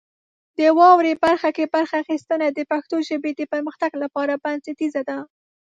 د واورئ برخه کې برخه اخیستنه د پښتو ژبې د پرمختګ لپاره بنسټیزه ده.